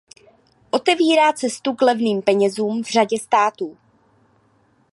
Otevírá cestu k levným penězům v řadě států.